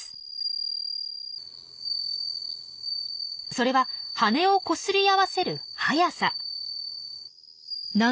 それは翅をこすり合わせる速さ。